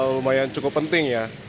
lumayan cukup penting ya